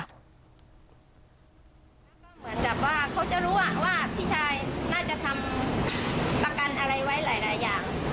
แล้วก็เหมือนกับว่าเขาจะรู้ว่าพี่ชายน่าจะทำประกันอะไรไว้หลายอย่าง